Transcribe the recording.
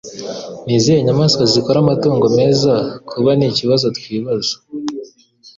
Ni izihe nyamaswa zikora amatungo meza kubanaikibazo twibaza